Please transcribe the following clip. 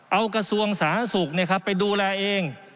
เอากระทรวงสาธารณสุขไปดูแลเอง